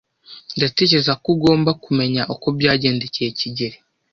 Ndatekereza ko ugomba kumenya uko byagendekeye kigeli.